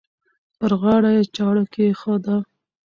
پر غاړه یې چاړه کښېږده.